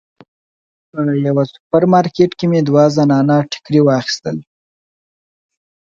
په یوه سوپر مارکیټ کې مې دوه زنانه ټیکري واخیستل.